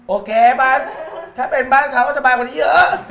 โอเคบ้านถ้าเป็นบ้านเขาก็สบายกว่านี้เยอะ